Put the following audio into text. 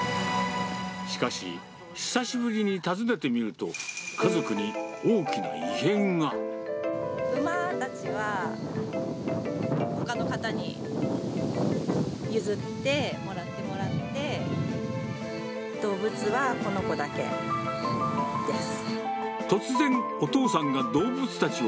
しかし、久しぶりに訪ねてみると、馬たちは、ほかの方に、譲って、もらってもらって、動物はこの子だけです。